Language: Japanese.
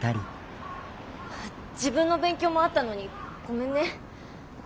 自分の勉強もあったのにごめんね。